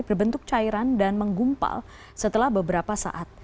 berbentuk cairan dan menggumpal setelah beberapa saat